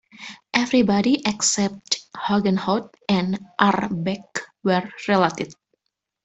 Everybody except Hoogenhout and Ahrbeck were related.